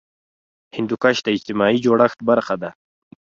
هندوکش د اجتماعي جوړښت برخه ده.